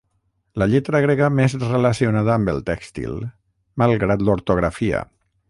La lletra grega més relacionada amb el tèxtil, malgrat l'ortografia.